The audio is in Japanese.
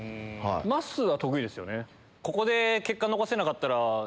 まっすーは得意ですよね？